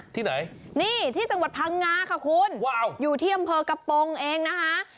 ที่ไหนนี่ที่จังหวัดพังงาค่ะคุณอยู่ที่อำเภอกระโปรงเองนะคะ